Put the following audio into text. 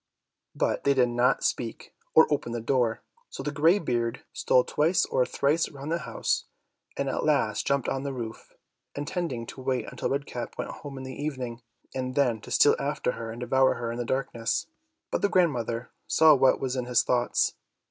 But they did not speak, or open the door, so the grey beard stole twice or thrice round the house, and at last jumped on the roof, intending to wait until Red Cap went home in the evening, and then to steal after her and devour her in the darkness. But the grandmother saw what was in his thoughts.